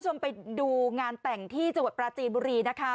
คุณผู้ชมไปดูงานแต่งที่จังหวัดปราจีนบุรีนะคะ